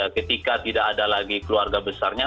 ketika tidak ada lagi keluarga besarnya